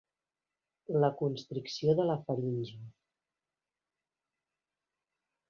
La constricció de la faringe.